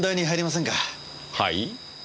はい？